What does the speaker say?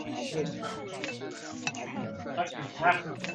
克雷默在第二次世界大战期间曾是一名伞兵中尉。